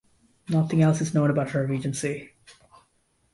Nothing else is known about her regency.